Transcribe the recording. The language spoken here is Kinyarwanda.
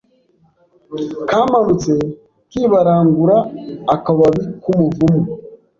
Kamanutse kibaranguraAkababi k'umuvumu